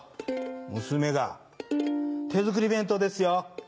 娘が手作り弁当ですよ。